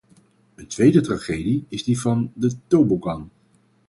Een tweede tragedie is die van de tobogan.